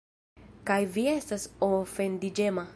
Kaj vi estas ofendiĝema.